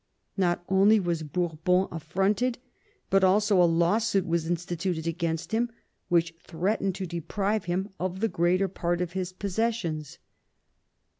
Not only was Bourbon affronted, but also a lawsuit was instituted against him, which threatened to deprive him of the greater part of his possessions.